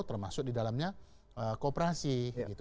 termasuk di dalamnya kooperasi